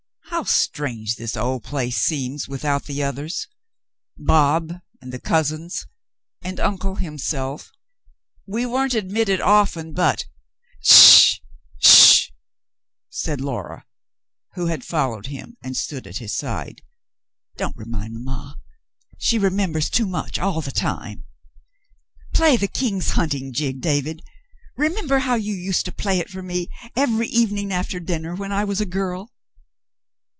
"How strange this old place seems without the others — Bob, and the cousins, and uncle himself ! We weren't admitted often — but —" "Sh — sh —" said Laura, who had followed him and 240 The Mountain Girl stood at his side. "Don't remind mamma. She remem bers too much — all the time. Play the ' King's Hunting Jig,' David. Remember how you used to play it for me every evening after dinner, when I was a girl